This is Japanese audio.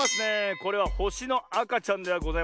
これはほしのあかちゃんではございませんよ。